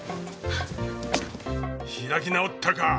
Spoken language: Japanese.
開き直ったか！